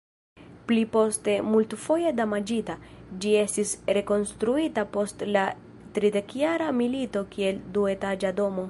Pli poste multfoje damaĝita, ĝi estis rekonstruita post la Tridekjara Milito kiel duetaĝa domo.